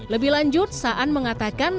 lebih lanjut saan mengatakan